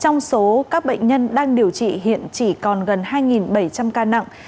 trong số các bệnh nhân đang điều trị hiện chỉ còn gần hai bảy trăm linh ca nặng